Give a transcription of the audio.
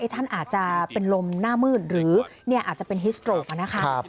ท่านอาจจะเป็นลมหน้ามืดหรืออาจจะเป็นฮิสโตรกนะครับ